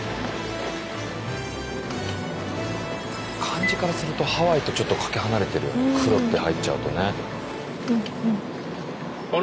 漢字からするとハワイとちょっとかけ離れてるよね「黒」って入っちゃうとね。